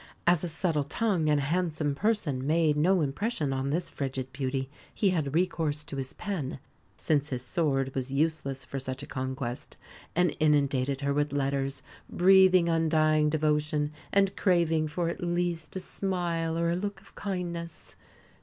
As a subtle tongue and a handsome person made no impression on this frigid beauty, he had recourse to his pen (since his sword was useless for such a conquest) and inundated her with letters, breathing undying devotion, and craving for at least a smile or a look of kindness.